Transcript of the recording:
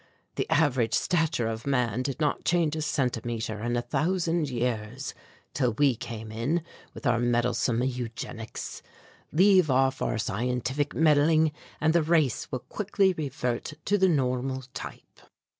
The average stature of man did not change a centimetre in a thousand years, till we came in with our meddlesome eugenics. Leave off our scientific meddling and the race will quickly revert to the normal type.